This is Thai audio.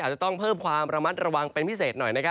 จะต้องเพิ่มความระมัดระวังเป็นพิเศษหน่อยนะครับ